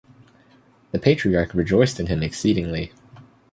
The Patriarch rejoiced in him exceedingly.